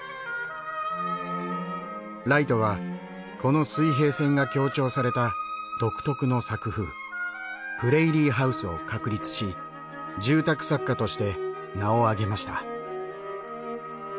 ライトはこの水平線が強調された独特の作風プレイリーハウスを確立し住宅作家として名をあげました。